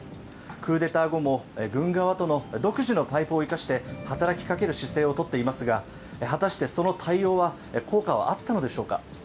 クーデター後も軍側との独自のパイプを生かして働きかける姿勢をとっていますが果たしてその対応は効果はあったのでしょうか。